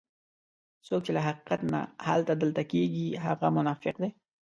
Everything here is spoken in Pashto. څوک چې له حقیقت نه هلته دلته کېږي هغه منافق دی.